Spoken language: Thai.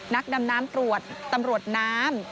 นักดำน้ำตรวจตำรวจน้ำ